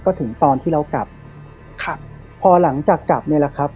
ก็ถึงตอนที่เรากลับครับพอหลังจากกลับเนี่ยแหละครับ